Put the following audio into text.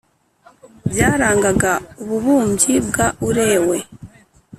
byarangaga ububumbyi bwa Urewe